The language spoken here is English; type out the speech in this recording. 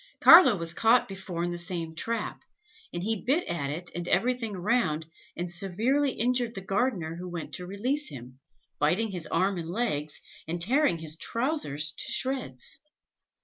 Carlo was caught before in the same trap, and he bit at it and at everything around, and severely injured the gardener who went to release him, biting his arm and legs, and tearing his trousers to shreds.